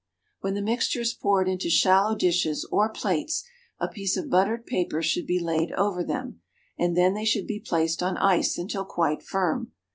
When the mixture is poured into shallow dishes or plates, a piece of buttered paper should be laid over them, and then they should be placed on ice until quite firm.